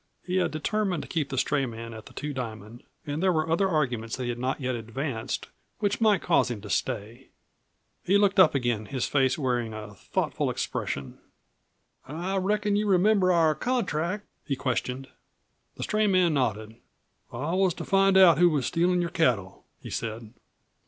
He had determined to keep the stray man at the Two Diamond and there were other arguments that he had not yet advanced which might cause him to stay. He looked up again, his face wearing a thoughtful expression. "I reckon you remember our contract?" he questioned. The stray man nodded. "I was to find out who was stealin' your cattle," he said.